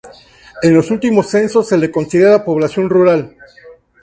En los últimos censos se la considera población rural.